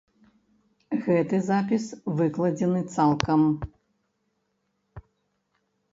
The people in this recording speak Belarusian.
Гэты запіс выкладзены цалкам.